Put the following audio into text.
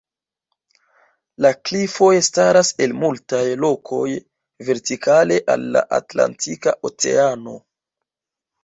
La klifoj staras el multaj lokoj vertikale al la Atlantika oceano.